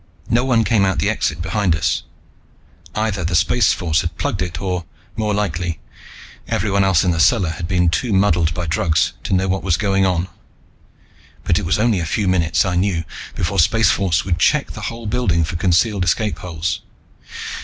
No one came out the exit behind us. Either the Spaceforce had plugged it or, more likely, everyone else in the cellar had been too muddled by drugs to know what was going on. But it was only a few minutes, I knew, before Spaceforce would check the whole building for concealed escape holes.